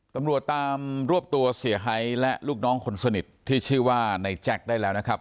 ตำรวจตามรวบตัวเสียหายและลูกน้องคนสนิทที่ชื่อว่าในแจ็คได้แล้วนะครับ